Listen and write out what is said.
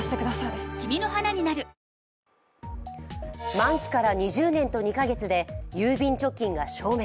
満期から２０年と２か月で郵便貯金が消滅。